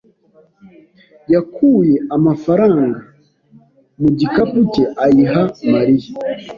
yakuye amafaranga mu gikapu cye ayiha Mariya.